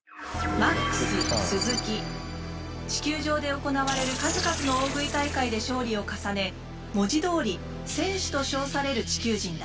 地球上で行われる数々の大食い大会で勝利を重ね文字どおり戦士と称される地球人だ。